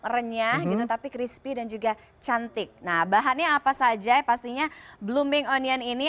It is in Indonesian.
renyah gitu tapi crispy dan juga cantik nah bahannya apa saja pastinya blooming onion ini